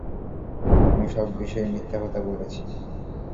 আমি সব বিষয়ে মিথ্যা কথা বলেছি।